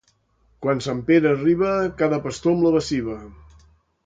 Quan Sant Pere arriba, cada pastor amb la baciva.